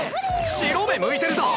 白目むいてるぞ！